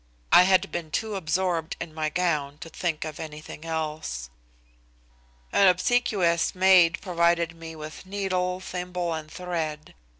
I had been too absorbed in my gown to think of anything else. An obsequious maid provided me with needle, thimble and thread.